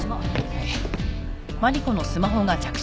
はい。